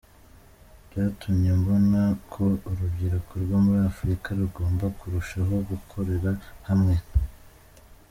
Byatumye mbona ko urubyiruko rwo muri Afurika rugomba kurushaho gukorera hamwe.